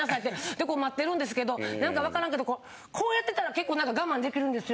でこう待ってるんですけどなんかわからんけどこうやってたら結構我慢できるんですよ。